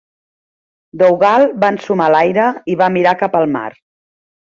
Dougal va ensumar l'aire i va mirar cap el mar.